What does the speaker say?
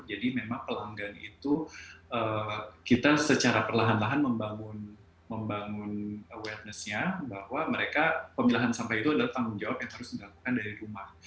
jadi memang pelanggan itu kita secara perlahan lahan membangun awarenessnya bahwa mereka pemilahan sampah itu adalah tanggung jawab yang harus dilakukan dari rumah